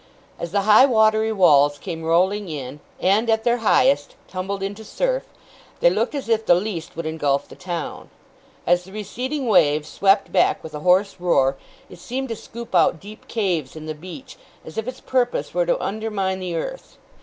As the high watery walls came rolling in, and, at their highest, tumbled into surf, they looked as if the least would engulf the town. As the receding wave swept back with a hoarse roar, it seemed to scoop out deep caves in the beach, as if its purpose were to undermine the earth.